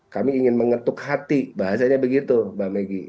kami ingin mengetuk hati bahasanya begitu mbak meggy